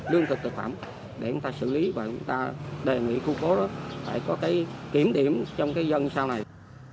để chúng ta xử lý và đề nghị khu phố phải có kiểm điểm trong dân sau này